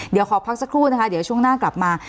เดี๋ยวขอพักสักครู่นะคะเดี๋ยวช่วงหน้ากลับมา